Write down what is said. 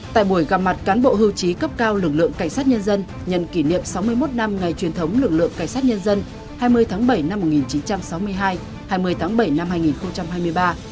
tại buổi gặp mặt cán bộ hưu trí cấp cao lực lượng cảnh sát nhân dân nhận kỷ niệm sáu mươi một năm ngày truyền thống lực lượng cảnh sát nhân dân hai mươi tháng bảy năm một nghìn chín trăm sáu mươi hai hai mươi tháng bảy năm hai nghìn hai mươi ba